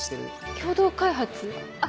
共同開発あっ！